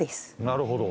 「なるほど」